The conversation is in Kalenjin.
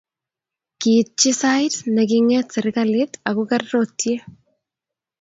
Kiitchi sait ne king'et serkalit akuger rotie